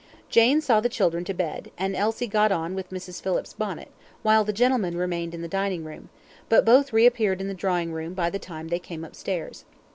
Jane saw the children to bed, and Elsie got on with Mrs. Phillips's bonnet, while the gentlemen remained in the dining room; but both reappeared in the drawing room by the time they came upstairs.